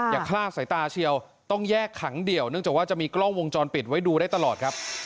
คลาดสายตาเชียวต้องแยกขังเดี่ยวเนื่องจากว่าจะมีกล้องวงจรปิดไว้ดูได้ตลอดครับ